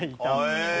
へえ！